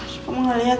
suka mau ngeliat